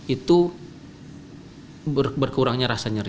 itu berkurangnya rasa nyeri